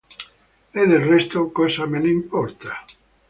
E del resto, cosa me ne importa?